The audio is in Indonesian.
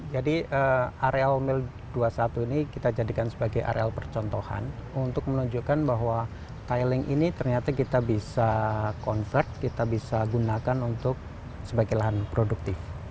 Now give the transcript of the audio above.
jadi areal mil dua puluh satu ini kita jadikan sebagai areal percontohan untuk menunjukkan bahwa tiling ini ternyata kita bisa convert kita bisa gunakan untuk sebagai lahan produktif